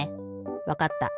わかった。